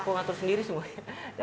aku ngatur sendiri semuanya